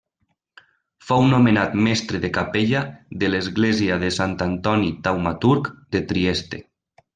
Fou nomenat mestre de capella de l'església de Sant Antoni Taumaturg de Trieste.